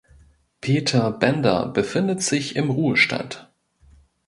Peter Bender befindet sich im Ruhestand.